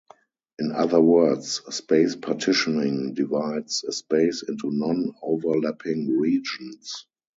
In other words, space partitioning divides a space into non-overlapping regions.